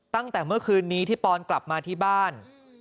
ตั้งแต่เมื่อคืนนี้ที่ปอนกลับมาที่บ้าน